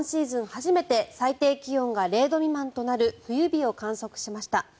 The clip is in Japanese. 初めて最低気温が０度未満となる冬日を観測しました。